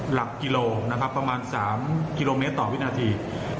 หลักกิโลนะครับประมาณ๓กิโลเมตรต่อวินาที